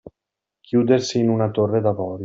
Chiudersi in una torre d'avorio.